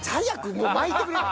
もう巻いてくれ！